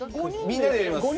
みんなでやります。